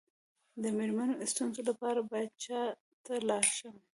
د میرمنو د ستونزو لپاره باید چا ته لاړ شم؟